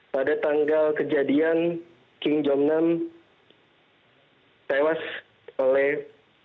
pada tanggal kejadian king jong nam tewas oleh